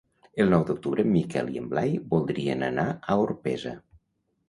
El nou d'octubre en Miquel i en Blai voldrien anar a Orpesa.